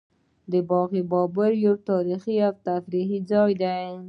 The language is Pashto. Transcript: باغ بابر یو تاریخي او تفریحي ځای دی